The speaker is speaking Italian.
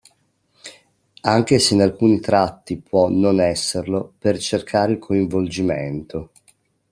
Anche se in alcuni tratti può non esserlo per cercare il coinvolgimento.